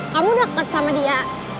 kamu deket sama dia